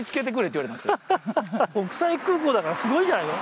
国際空港だからすごいんじゃないの？